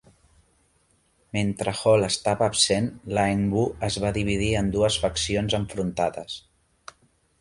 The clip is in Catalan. Mentre Hall estava absent, la nWo es va dividir en dues faccions enfrontades.